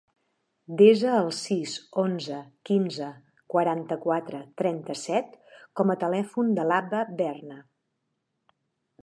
Desa el sis, onze, quinze, quaranta-quatre, trenta-set com a telèfon de l'Abba Berna.